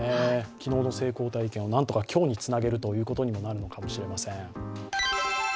昨日の成功体験をなんとか今日につなげるということにもなるのかもしれません。